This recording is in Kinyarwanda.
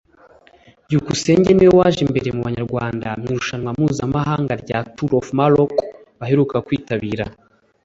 Byukusenge niwe waje imbere mu banyarwanda mw’irushanwa mpuzamahanga rya Tour of Morocco baheruka kwitabira